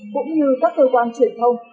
cũng như các cơ quan truyền thông